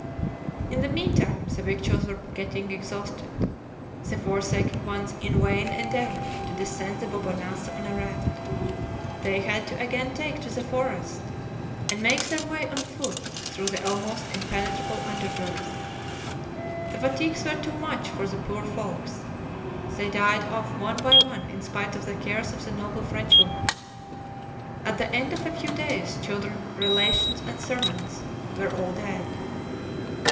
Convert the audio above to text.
"In the meantime the victuals were getting exhausted. The forsaken ones in vain endeavored to descend the Bobonasa on a raft. They had to again take to the forest, and make their way on foot through the almost impenetrable undergrowth. The fatigues were too much for the poor folks! They died off one by one in spite of the cares of the noble Frenchwoman. At the end of a few days children, relations, and servants, were all dead!"